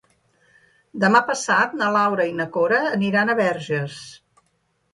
Demà passat na Laura i na Cora aniran a Verges.